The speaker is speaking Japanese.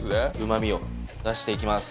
旨みを出していきます